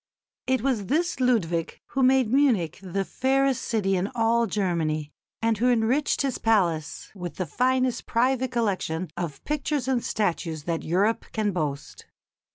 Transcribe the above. It was this Ludwig who made Munich the fairest city in all Germany, and who enriched his palace with the finest private collection of pictures and statues that Europe can boast.